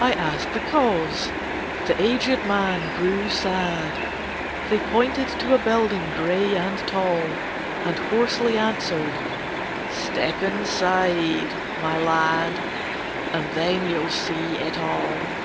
I asked the cause: the aged man grew sad: They pointed to a building gray and tall, And hoarsely answered "Step inside, my lad, And then you'll see it all."